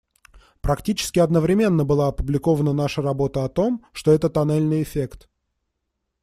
Практически одновременно была опубликована наша работа о том, что это тоннельный эффект.